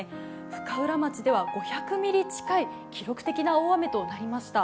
深浦町では５００ミリ近い記録的な大雨となりました。